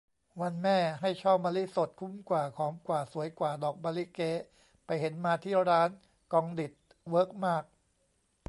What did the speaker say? วันแม่ ให้ช่อมะลิสด คุ้มกว่า หอมกว่า สวยกว่า ดอกมะลิเก๊ ไปเห็นมาที่ร้านก็องดิด เวิร์กมาก